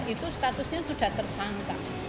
itu statusnya sudah tersangka